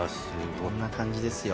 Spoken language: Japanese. こんな感じですよ。